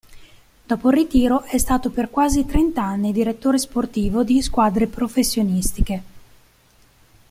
Dopo il ritiro è stato per quasi trent'anni direttore sportivo di squadre professionistiche.